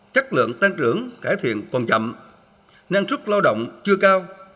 chất lượng tăng trưởng cải thiện còn chậm năng suất lao động chưa cao